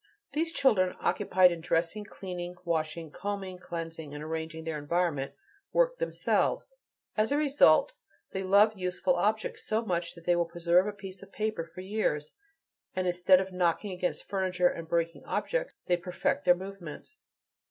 These children, occupied in dressing, cleaning, washing, combing, cleansing, and arranging their environment, work themselves. As a result, they love useful objects so much that they will preserve a piece of paper for years, and instead of knocking against furniture, and breaking objects, they perfect their movements.